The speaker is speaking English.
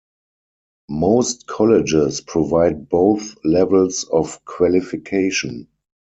Most colleges provide both levels of qualification.